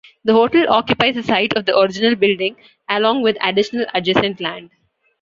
The hotel occupies the site of the original building, along with additional adjacent land.